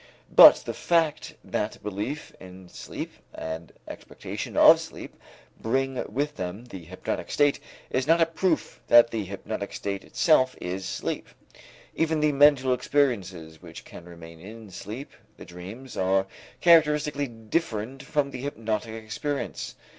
But the fact that belief in sleep and expectation of sleep bring with them the hypnotic state is not a proof that the hypnotic state itself is sleep. Even the mental experiences which can remain in sleep, the dreams, are characteristically different from the hypnotic experience.